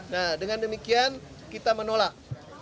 nah dengan demikian kita menolak